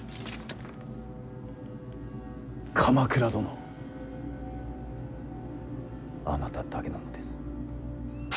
鎌倉殿あなただけなのです。